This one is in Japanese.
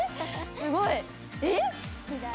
すごい！えっ？